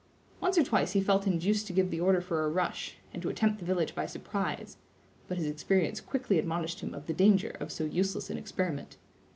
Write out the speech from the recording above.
Once or twice he felt induced to give the order for a rush, and to attempt the village by surprise; but his experience quickly admonished him of the danger of so useless an experiment.